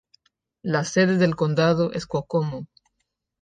La sede del condado es Kokomo.